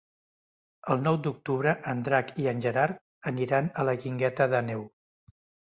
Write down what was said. El nou d'octubre en Drac i en Gerard aniran a la Guingueta d'Àneu.